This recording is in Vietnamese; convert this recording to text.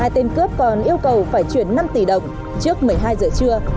hai tên cướp còn yêu cầu phải chuyển năm tỷ đồng trước một mươi hai giờ trưa